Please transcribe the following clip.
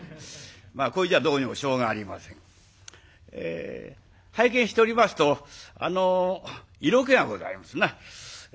まあこれじゃどうにもしょうがありません。拝見しておりますと色気がございますな。